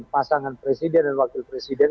pasangan presiden dan wakil presiden